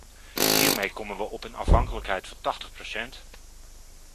Hiermee komen we op een afhankelijkheid van tachtig procent.